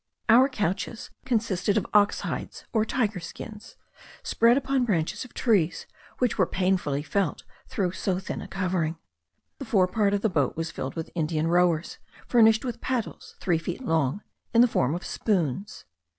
Our couches consisted of ox hides or tiger skins, spread upon branches of trees, which were painfully felt through so thin a covering. The fore part of the boat was filled with Indian rowers, furnished with paddles, three feet long, in the form of spoons.